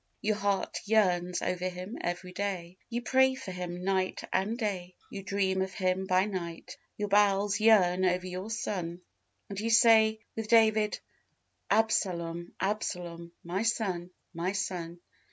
Your heart yearns over him every day; you pray for him night and day; you dream of him by night; your bowels yearn over your son, and you say, with David, "Absalom, Absalom, my son, my son."